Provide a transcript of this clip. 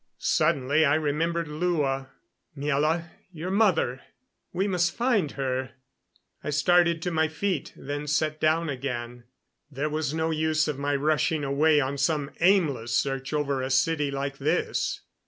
Suddenly I remembered Lua. "Miela your mother. We must find her." I started to my feet, then sat down again. There was no use of my rushing away on some aimless search over a city like this.